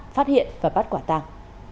phát hiện và bắt quả tàng